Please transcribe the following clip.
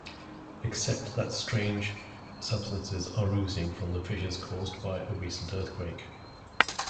Except that strange substances are oozing from the fissures caused by a recent earthquake.